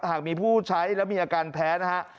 หากมีผู้ใช้แล้วมีอาการแพ้นะฮะ